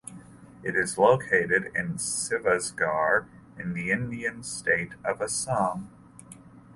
It is located in Sivasagar in the Indian state of Assam.